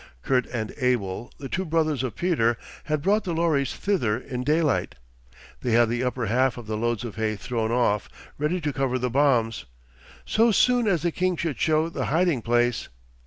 Kurt and Abel, the two brothers of Peter, had brought the lorries thither in daylight. They had the upper half of the loads of hay thrown off, ready to cover the bombs, so soon as the king should show the hiding place.